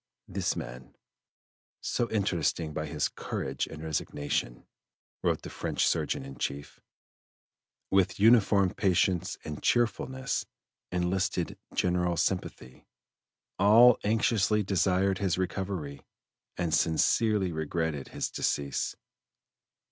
"This man, so interesting by his courage and resignation," wrote the French surgeon in chief, with uniform patience and cheerfulness, enlisted general sympathy; all anxiously desired his recovery and sincerely regretted his decease.